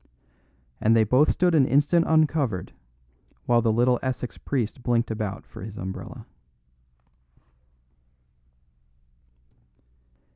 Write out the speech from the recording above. And they both stood an instant uncovered while the little Essex priest blinked about for his umbrella.